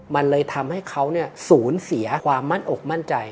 มันเลยทำให้เขาสูญเสียความมั่นอกมั่นใจ